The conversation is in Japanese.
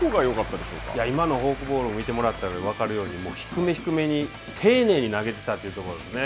今のフォークボールを見てもらったら分かるように、低め低めに丁寧に投げてたというところですね。